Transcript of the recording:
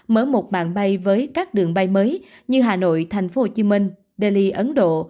mở một mạng bay với các đường bay mới như hà nội thành phố hồ chí minh delhi ấn độ